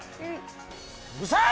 うるさい！